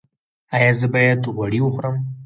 ایا زه باید غوړي وخورم؟